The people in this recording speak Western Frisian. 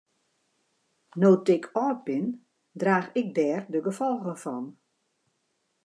No't ik âld bin draach ik dêr de gefolgen fan.